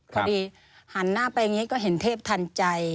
พอดีหันหน้าไปอย่างนี้ก็เห็นเทพทันใจ